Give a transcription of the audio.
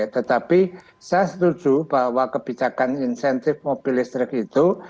tetapi saya setuju bahwa kebijakan insentif mobil listrik itu